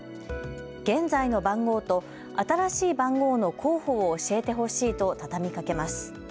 現在の番号と新しい番号の候補を教えてほしいと畳みかけます。